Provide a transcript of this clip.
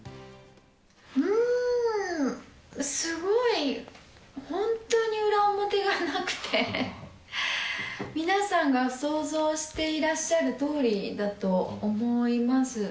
うーん、すごい、本当に裏表がなくて、皆さんが想像していらっしゃるとおりだと思います。